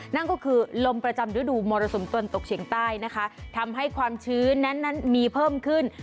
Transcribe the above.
นั่นก็คือลมประจำฤดูมรสุมตะวันตกเฉียงใต้นะคะทำให้ความชื้นนั้นนั้นมีเพิ่มขึ้น